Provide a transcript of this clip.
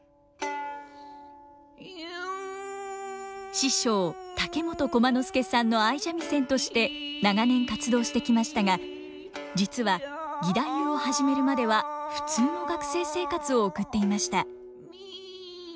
師匠竹本駒之助さんの相三味線として長年活動してきましたが実は義太夫を始めるまでは普通の学生生活を送っていました。